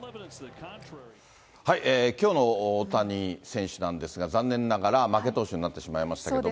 きょうの大谷選手なんですが、残念ながら、負け投手になってしまいましたけれども。